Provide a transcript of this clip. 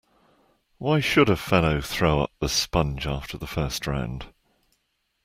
Why should a fellow throw up the sponge after the first round.